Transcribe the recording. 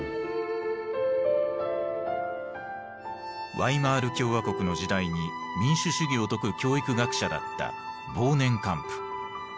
ワイマール共和国の時代に民主主義を説く教育学者だったボーネンカンプ。